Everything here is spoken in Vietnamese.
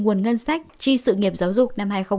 nguồn ngân sách chi sự nghiệp giáo dục